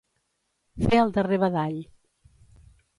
Fer el darrer badall.